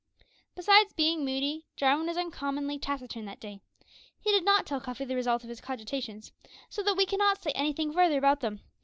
Besides being moody, Jarwin was uncommonly taciturn that day. He did not tell Cuffy the result of his cogitations, so that we cannot say anything further about them.